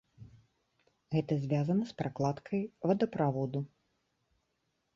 Гэта звязана з пракладкай вадаправоду.